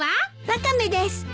ワカメです。